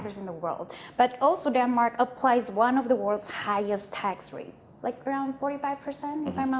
saya masih membayar uang di denmark ketika saya dikirimkan